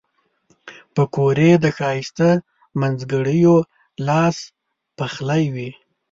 پکورې د ښایسته مینځګړیو لاس پخلي وي